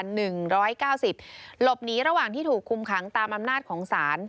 หลบหนีระหว่างที่ถูกคุมขังตามอำนาจของศาล